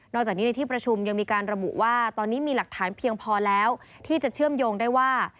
จากนี้ในที่ประชุมยังมีการระบุว่าตอนนี้มีหลักฐานเพียงพอแล้วที่จะเชื่อมโยงได้ว่า